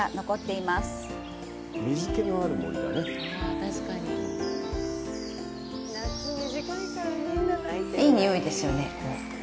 いい匂いですよね。